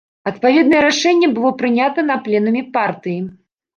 Адпаведнае рашэнне было прынята на пленуме партыі.